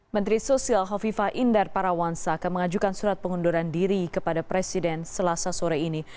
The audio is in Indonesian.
menteri sosial hovifa indar parawansa akan mengajukan surat pengunduran diri kepada presiden selasa sore ini